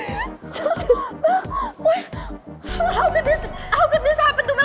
baik pak kami terus melakukan observasi lebih lanjut pak